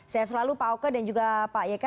saya selalu pak oke dan juga pak yeka